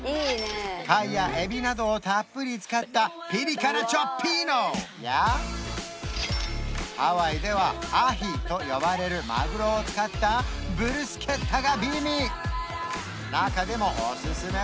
貝やエビなどをたっぷり使ったピリ辛ハワイではアヒと呼ばれるマグロを使ったブルスケッタが美味！